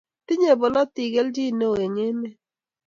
tinyei bolutik kelchin neoo eng' emet